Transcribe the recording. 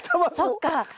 そっか。